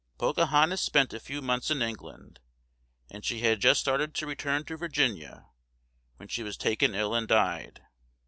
Pocahontas spent a few months in England, and she had just started to return to Virginia, when she was taken ill and died.